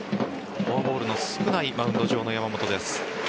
フォアボールの少ないマウンド上の山本です。